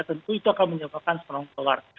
tentu itu akan menyebabkan strong solar